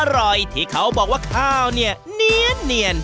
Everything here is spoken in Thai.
อร่อยที่เขาบอกว่าข้าวเนี่ยเนียน